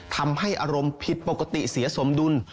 ทำให้อารมณ์ผิดปกติเสียสมดุล